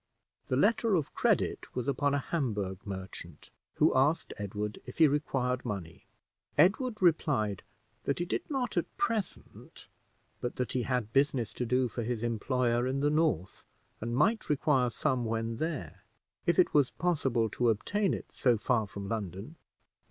The letter of credit was upon a Hamburgh merchant, who asked Edward if he required money. Edward replied that he did not at present, but that he had business to do for his employer in the north, and might require some when there, if it was possible to obtain it so far from London.